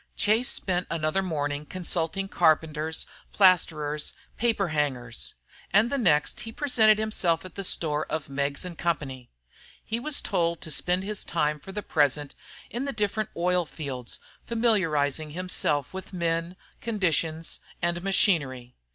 Chase spent another morning consulting carpenters, plasterer's, paper hangers; and the next he presented himself at the store of Meggs & Co. He was told to spend his time for the present in the different oil fields, familiarizing himself with men, conditions, and machinery.